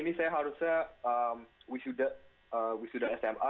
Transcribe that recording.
sebenarnya tahun ini saya harusnya wissuda sma